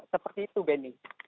seperti itu beni